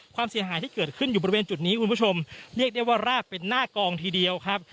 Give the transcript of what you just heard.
ความเสียหายที่เกิดขึ้นอยู่บริเวณจุดนี้คุณผู้ชมเรียกได้ว่ารากเป็นหน้ากองทีเดียวครับ